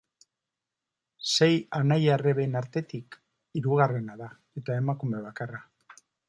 Sei anai-arreben artetik hirugarrena da eta emakume bakarra.